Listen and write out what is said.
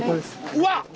うわっ！